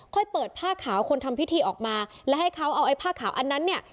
ค่อยเปิดผ้าขาวคนทำพิธีออกมาและให้เขาเอาไอ้ผ้าขาวอันนั้นเนี่ย